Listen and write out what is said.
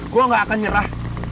gua gak akan nyerah